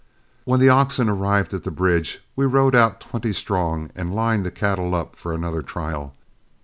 When the oxen arrived at the bridge, we rode out twenty strong and lined the cattle up for another trial.